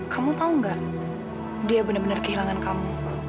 kamu tahu nggak dia benar benar kehilangan kamu